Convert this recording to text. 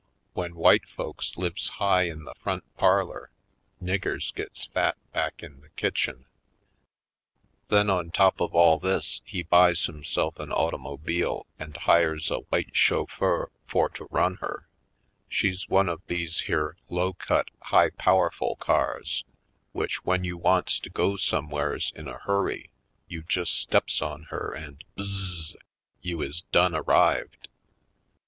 When white folks lives high in the front parlor niggers gets fat back in the kitchen. Then on top of all this he buys himself an automobile and hires a white chauffeur 100 /. Poindexterj Colored for to run her. She's one of these here low cut, high powerful cars which when you wants to go somewheres in a hurry you just steps on her and — h z z z — you is done arrived!